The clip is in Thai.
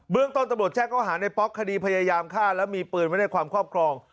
เรื่องต้นตำรวจแจ้งเขาหาในป๊อกคดีพยายามฆ่าและมีปืนไว้ในความครอบครอง